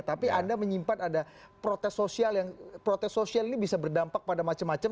tapi anda menyimpan ada protes sosial yang protes sosial ini bisa berdampak pada macam macam